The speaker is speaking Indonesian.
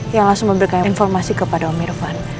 yang langsung memberikan informasi kepada om irfan